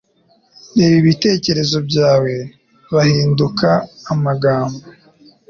Reba ibitekerezo byawe; bahinduka amagambo.